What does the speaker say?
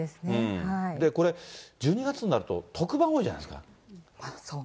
これ、１２月になると特番多いじゃないですか。